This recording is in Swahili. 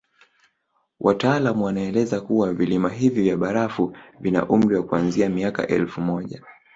Wataalamu wanaeleza kuwa vilima hivi vya barafu vina umri wa kuanzia miaka elfu moja